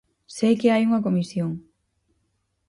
Sei que hai unha comisión.